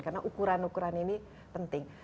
karena ukuran ukuran ini penting